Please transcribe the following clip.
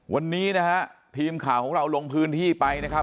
วันนี้นะฮะทีมข่าวของเราลงพื้นที่ไปนะครับ